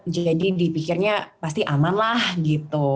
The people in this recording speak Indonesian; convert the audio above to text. jadi dipikirnya pasti aman lah gitu